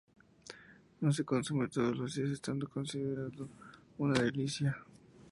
No se consume todos los días, estando considerado una delicia.